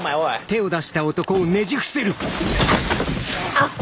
あっ。